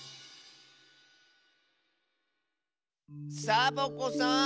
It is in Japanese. サボ子さん